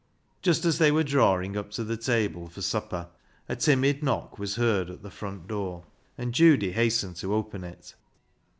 Just as they were drawing up to the table for supper, a timid knock was heard at the front door, and Judy hastened to open it.